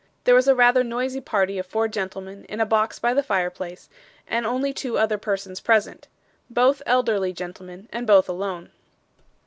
There was a rather noisy party of four gentlemen in a box by the fire place, and only two other persons present both elderly gentlemen, and both alone.